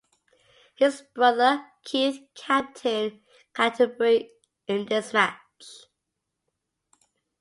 His brother Keith captained Canterbury in this match.